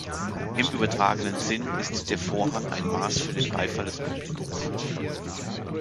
Im übertragenen Sinn ist der „Vorhang“ ein Maß für den Beifall des Publikums.